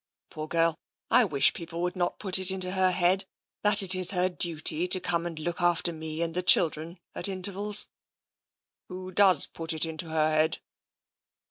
Poor girl! I wish people would not put it into her head that it is her duty to come and look after me and the children at intervals." 28 TENSION " Who does put it into her head